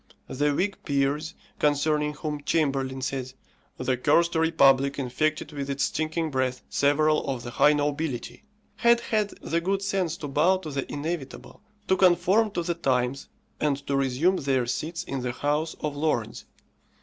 The Whig peers, concerning whom Chamberlain says, "The cursed republic infected with its stinking breath several of the high nobility," had had the good sense to bow to the inevitable, to conform to the times, and to resume their seats in the House of Lords.